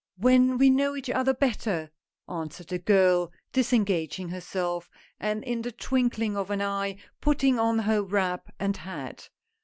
" When we know each other better," answered the girl, disengaging herself, and in the twinkling of an eye putting on her wrap and hat.